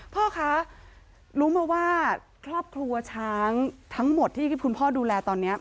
พ่อคะรู้มาว่าครอบครัวช้างทั้งหมดที่คุณพ่อดูแลตอนนี้